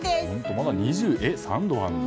まだ２３度あるの？